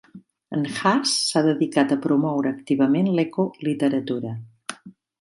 En Hass s'ha dedicat a promoure activament l'eco-literatura.